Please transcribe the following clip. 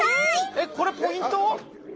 えっこれポイント？